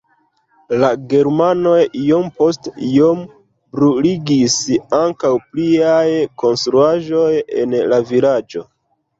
La germanoj iom post iom bruligis ankaŭ pliaj konstruaĵoj en la vilaĝo.